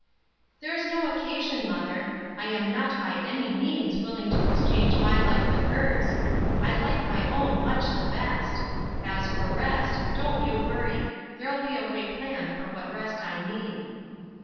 "There's no occasion, mother; I am not by any means willing to exchange my life with hers; I like my own much the best. As for rest, don't you worry; there'll be a way planned for what rest I need."